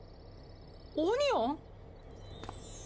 オニオン？